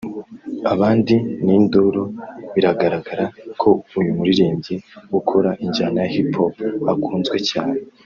abandi n’induru biragaragara ko uyu muririmbyi ukora injyana ya Hip Hop akunzwe cyane